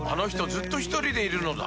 ずっとひとりでいるのだ